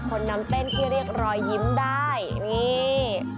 คนนำเต้นที่เรียกรอยยิ้มได้นี่